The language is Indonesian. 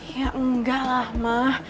ya enggak lah ma